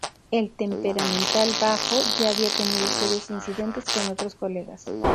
El temperamental bajo ya había tenido serios incidentes con otros colegas.